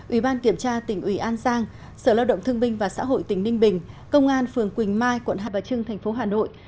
ủy ban kiểm tra tỉnh ủy an giang sở lao động thương binh và xã hội tỉnh ninh bình công an phường quỳnh mai quận hai bà trưng thành phố hà nội